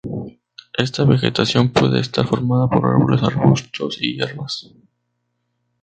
Esta vegetación puede estar formada por árboles, arbustos y hierbas.